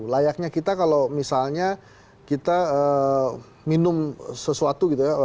layaknya kita kalau misalnya kita minum sesuatu gitu ya